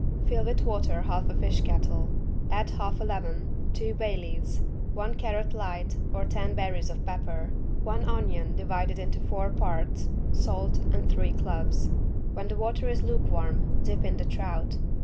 Fill with water half a fish kettle; add half a lemon, two bay leaves, one carrot light or ten berries of pepper, one onion divided into four parts, salt and three cloves. When the water is lukewarm, dip in the trout.